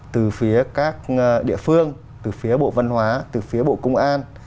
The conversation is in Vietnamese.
từ phía các địa phương từ phía bộ văn hóa từ phía bộ công an